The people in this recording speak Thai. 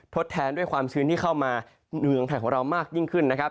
แทนด้วยความชื้นที่เข้ามาเมืองไทยของเรามากยิ่งขึ้นนะครับ